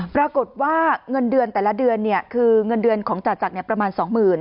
ปรากฏว่าเงินเดือนแต่ละเดือนคือเงินเดือนของจ่าจักรประมาณ๒๐๐๐